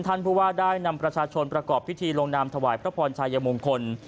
ผู้ว่าได้นำประชาชนประกอบพิธีลงนามถวายพระพรชายมงคล